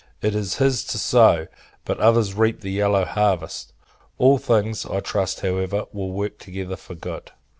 It [is] his to sow, but others reap the yellow harvests. All things, I trust, however, will work together for good.